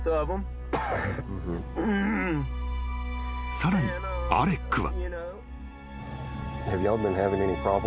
［さらにアレックは］